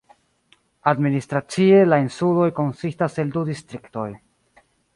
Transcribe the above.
Administracie la insuloj konsistas el du distriktoj.